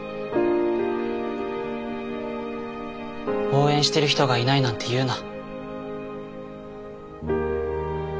応援してる人がいないなんて言うな。